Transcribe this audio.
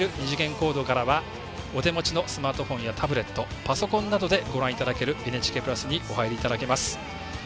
２次元コードからはお手持ちのスマートフォンやタブレット、パソコンなどでご覧いただけるＮＨＫプラスにお入りいただけます。